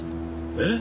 えっ？